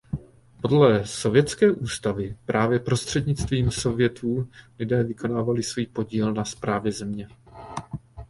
Podle sovětské ústavy právě prostřednictvím sovětů lidé vykonávali svůj podíl na správě země.